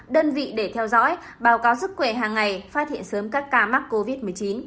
đơn vị để theo dõi báo cáo sức khỏe hàng ngày phát hiện sớm các ca mắc covid một mươi chín